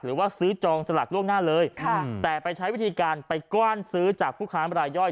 หรือว่าซื้อจองสลากล่วงหน้าเลยค่ะแต่ไปใช้วิธีการไปกว้านซื้อจากผู้ค้ามรายย่อย